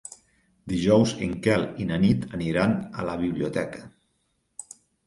Dijous en Quel i na Nit aniran a la biblioteca.